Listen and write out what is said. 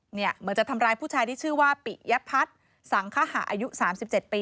เหมือนจะทำร้ายผู้ชายที่ชื่อว่าปิยพัฒน์สังคหาอายุ๓๗ปี